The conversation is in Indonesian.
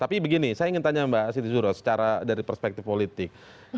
tapi begini saya ingin tanya mbak siti zuro secara dari perspektif politik